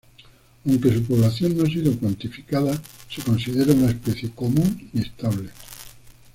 Aunque su población no ha sido cuantificada se considera una especie común y estable.